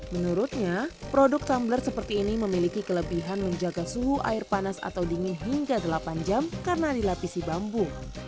menurutnya produk tumbler seperti ini memiliki kelebihan menjaga suhu air panas atau dingin hingga delapan jam karena dilapisi bambu